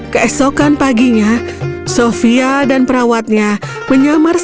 keesokan paginya sofia dan perawatnya menyamar